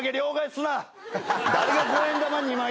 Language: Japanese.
誰が五円玉２枚で十円